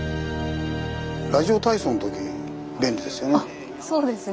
ラジオ体操の時便利ですよね。